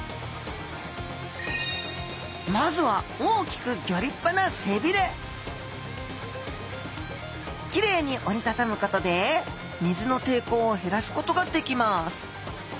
まずは大きくギョ立派なきれいに折り畳むことで水の抵抗を減らすことができます。